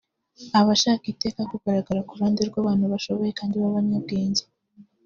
aba ashaka iteka kugaragara ku ruhande rw’abantu bashoboye kandi b’abanyabwenge